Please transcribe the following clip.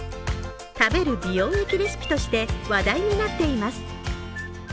食べる美容液レシピとして話題になっています。